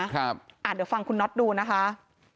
เดี๋ยวฟังคุณน็อตดูนะคะ